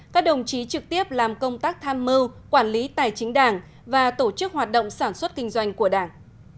các đồng chí trực tiếp làm công tác tham mưu quản lý tài chính đảng và tổ chức hoạt động sản xuất kinh doanh của đảng